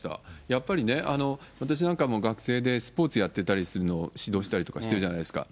やっぱりね、私なんかも学生でスポーツやってたりするのを指導したりとかしてるじゃないですか。